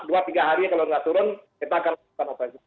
dua tiga hari kalau tidak turun kita akan lakukan operasi